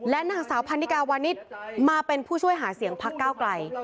นางสาวพันนิกาวานิสมาเป็นผู้ช่วยหาเสียงพักก้าวไกล